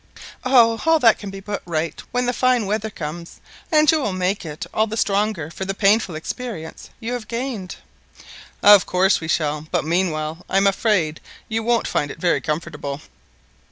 "Oh, all that can be put right when the fine weather comes, and you will make it all the stronger for the painful experience you have gained." "Of course we shall, but meanwhile I am afraid you won't find it very comfortable."